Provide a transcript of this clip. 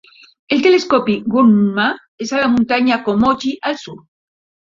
El telescopi Gunma és a la muntanya Komochi al sud.